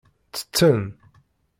Ttetten.